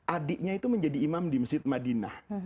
adiknya itu menjadi imam di masjid madinah